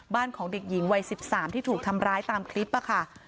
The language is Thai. ของเด็กหญิงวัย๑๓ที่ถูกทำร้ายตามคลิปค่ะ